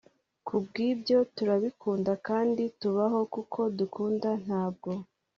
kubwibyo turabikunda, kandi tubaho kuko dukunda, ntabwo